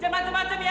jangan macem macem ya